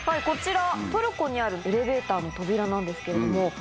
こちらトルコにあるエレベーターの扉なんですけども。